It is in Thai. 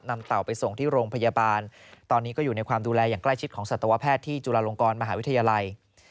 เต่าไปส่งที่โรงพยาบาลตอนนี้ก็อยู่ในความดูแลอย่างใกล้ชิดของสัตวแพทย์ที่จุฬาลงกรมหาวิทยาลัย